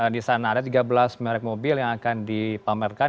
disana ada tiga belas merk mobil yang akan dipamerkan